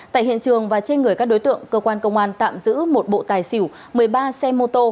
tại hiện trường và trên người các đối tượng cơ quan công an tạm giữ một bộ tài xỉu một mươi ba xe mô tô